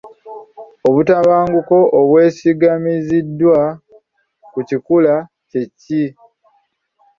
Obutabanguko obwesigamiziddwa ku kikula kye ki?